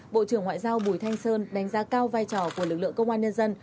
bộ trưởng ngoại giao bùi thanh sơn đánh giá cao vai trò của lực lượng công an nhân dân